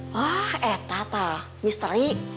wah eh tata misteri